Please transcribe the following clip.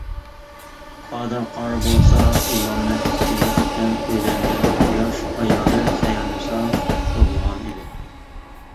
قادىر قارى بولسا ئىمامنىڭ ئىككىنچى قېتىم ئۆيلەنگەن ياش ئايالى خەيرىنىسا تۇغۇلغان ئىدى.